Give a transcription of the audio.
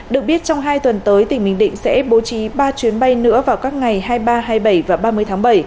được biết trong hai tuần tới tỉnh bình định sẽ bố trí ba chuyến bay nữa vào các ngày hai mươi ba hai mươi bảy và ba mươi tháng bảy